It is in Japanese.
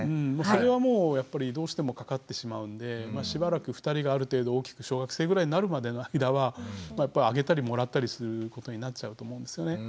それはもうやっぱりどうしてもかかってしまうんでしばらく２人がある程度大きく小学生ぐらいになるまでの間はやっぱりあげたりもらったりすることになっちゃうと思うんですよね。